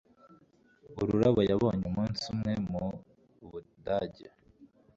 Ururabo yabonye umunsi umwe mu Budage